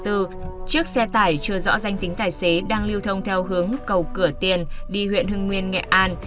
chiếc xe tải chưa rõ danh tính tài xế đang lưu thông theo hướng cầu cửa tiền đi huyện hưng nguyên nghệ an